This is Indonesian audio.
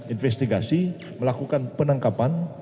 investigasi melakukan penangkapan